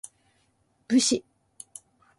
武士